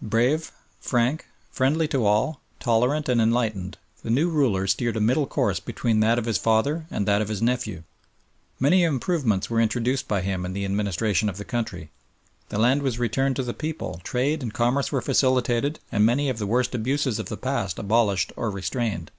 Brave, frank, friendly to all, tolerant and enlightened, the new ruler steered a middle course between that of his father and that of his nephew. Many improvements were introduced by him in the administration of the country. The land was returned to the people, trade and commerce were facilitated, and many of the worst abuses of the past abolished or restrained.